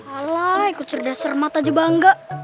alah ikut cerdasar mat aja bangga